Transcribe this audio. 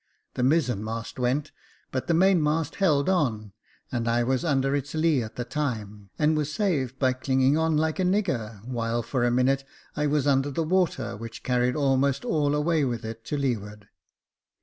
The mizen mast went, but the main mast held on, and I was under its lee at the time, and was saved by clinging on like a nigger, while for a minute I was under the water, which carried almost all away with it to leeward.